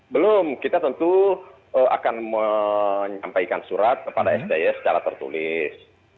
belum kita tentu akan menyampaikan surat kepada sby secara tertulis